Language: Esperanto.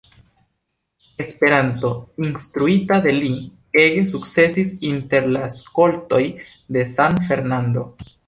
Esperanto, instruita de li, ege sukcesis inter la skoltoj de San Fernando.